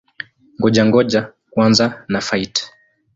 Ngoja-ngoja kwanza na-fight!